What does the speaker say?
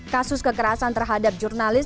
kasus kekerasan terhadap jurnalis